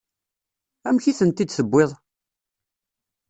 Amek i tent-id-tewwiḍ?